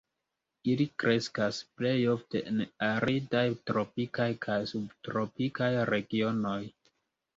Ili kreskas plej ofte en aridaj tropikaj kaj subtropikaj regionoj.